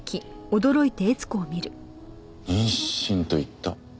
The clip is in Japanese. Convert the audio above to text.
妊娠と言った？